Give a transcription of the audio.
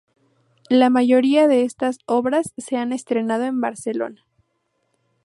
La mayoría de estas obras se han estrenado en Barcelona.